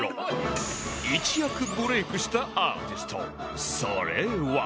一躍ブレイクしたアーティストそれは